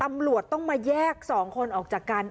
ตำรวจต้องมาแยก๒คนออกจากกัน